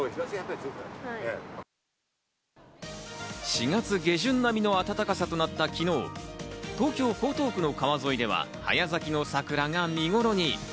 ４月下旬並みの暖かさとなった昨日、東京・江東区の川沿いでは、早咲きの桜が見ごろに。